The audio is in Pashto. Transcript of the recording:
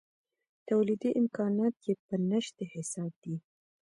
تولیدي امکانات یې په نشت حساب دي.